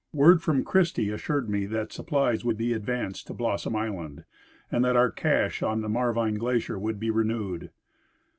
Word from Christie assured me that supplies would be advanced to Blossom island, and that our cache on the Marvine glacier would be renewed.